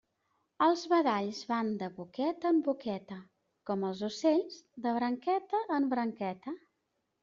Els badalls van de boqueta en boqueta, com els ocells de branqueta en branqueta.